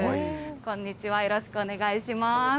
こんにちは、よろしくお願いします。